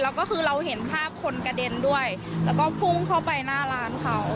แล้วก็คือเราเห็นภาพคนกระเด็นด้วยแล้วก็พุ่งเข้าไปหน้าร้านเขา